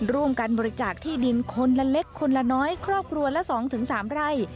ร่วมกันบริจาคที่ดินคนละเล็กคนละน้อยครอบครัวละ๒๓ไร่